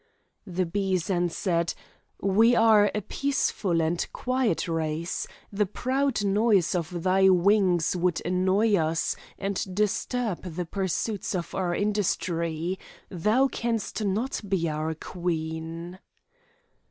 The bees answered, we are a peaceful and quiet race; the proud noise of thy wings would annoy us and disturb the pursuits of our industry; thou canst not be our queen.